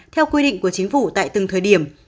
theo quy định của chính phủ tại từng thời điểm